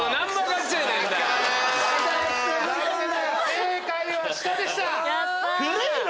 正解は下でした！